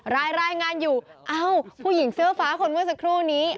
รายงานอยู่เอ้าผู้หญิงเสื้อฟ้าคนเมื่อสักครู่นี้